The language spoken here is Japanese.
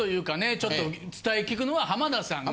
ちょっと伝え聞くのは浜田さんが。